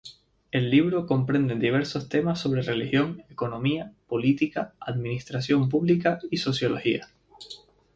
El libro comprende diversos temas sobre religión, economía, política, administración pública y sociología.